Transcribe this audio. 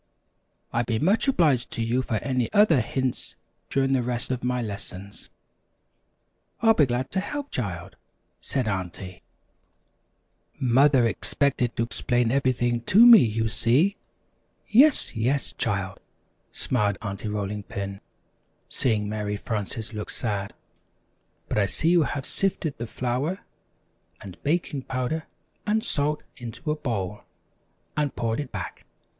"I'd be much obliged to you for any other hints during the rest of my lessons." "I'll be glad to help, child," said Aunty. [Illustration: Baking Powder Biscuits.] "Mother expected to explain everything to me, you see " "Yes, yes, child," smiled Aunty Rolling Pin, seeing Mary Frances looked sad; "but I see you have sifted the flour and baking powder and salt into a bowl and poured it back.